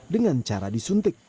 dengan cara disuntik